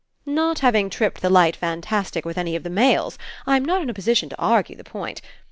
"Not having tripped the light fantastic with any of the males, I'm not In a position to argue the point.